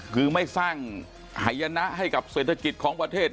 คือไม่สร้างหายนะให้กับเศรษฐกิจของประเทศ